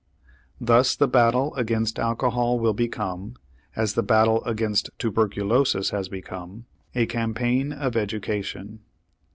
Thus the battle against alcohol will become, as the battle against tuberculosis has become, a campaign of education.